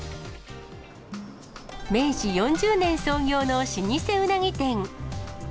明治４０年創業の老舗うなぎ店。